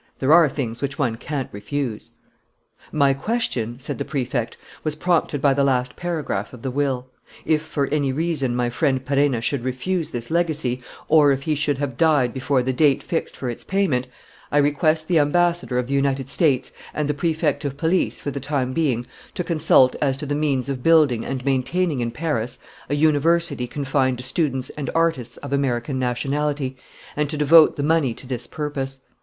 "There are things which one can't refuse." "My question," said the Prefect, "was prompted by the last paragraph of the will: 'If, for any reason, my friend Perenna should refuse this legacy, or if he should have died before the date fixed for its payment, I request the Ambassador of the United States and the Prefect of Police for the time being to consult as to the means of building and maintaining in Paris a university confined to students and artists of American nationality and to devote the money to this purpose.